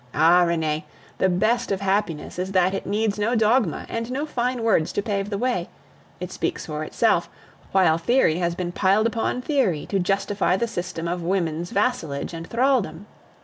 Ah! Renee, the best of happiness is that it needs no dogma and no fine words to pave the way; it speaks for itself, while theory has been piled upon theory to justify the system of women's vassalage and thralldom.